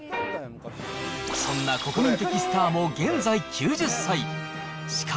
そんな国民的スターも、現在９０歳。